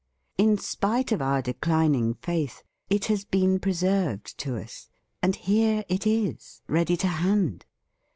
In spite of our declining faith, it has been preserved to us, and here it is, ready to hand.